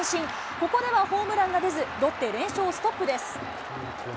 ここではホームランが出ず、ロッテ、連勝ストップです。